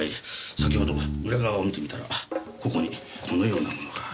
先ほど裏側を見てみたらここにこのようなものが。